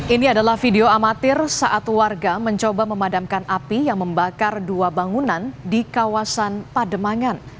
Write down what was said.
ini adalah video amatir saat warga mencoba memadamkan api yang membakar dua bangunan di kawasan pademangan